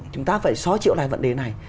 chúng ta phải xóa chịu lại vấn đề này